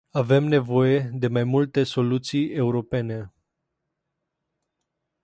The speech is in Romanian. Avem nevoie de mai multe soluții europene.